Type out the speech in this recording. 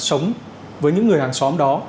sống với những người hàng xóm đó